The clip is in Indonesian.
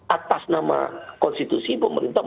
atas nama konstitusi pemerintah